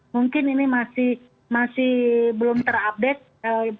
mungkin ini masih belum terupdate